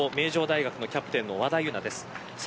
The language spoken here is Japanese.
先頭、名城大学のキャプテンの和田です。